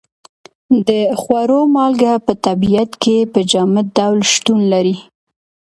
د خوړو مالګه په طبیعت کې په جامد ډول شتون لري.